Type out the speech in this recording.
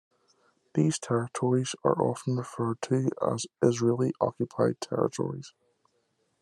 These territories are often referred to as Israeli-occupied territories.